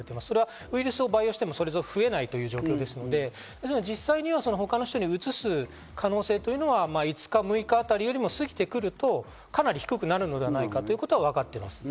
ウイルスを培養しても、それ以上は増えないという状況ですので、実際は他の人にうつす可能性というのは５日、６日あたりよりも過ぎてくると、かなり低くなるのではないかということはわかっています。